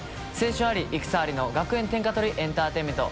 △戦ありの学園天下取りエンターテインメント。